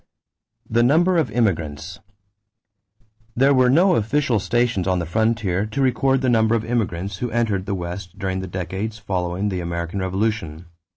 =The Number of Immigrants.= There were no official stations on the frontier to record the number of immigrants who entered the West during the decades following the American Revolution.